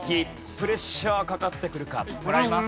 プレッシャーかかってくるか？もらいます。